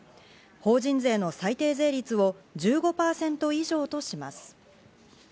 法人税の最低税率を１５％以上とします。